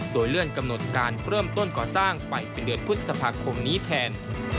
โดยเลื่อนกำหนดการเริ่มต้นก่อสร้างไปเป็นเดือนพฤษภาคมนี้แทน